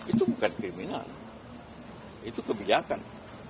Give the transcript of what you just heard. itu bukan kriminal itu kebijakan